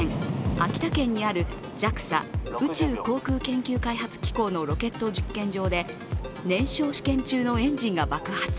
秋田県にあるＪＡＸＡ＝宇宙航空研究開発機構の実験場で燃焼試験中のエンジンが爆発。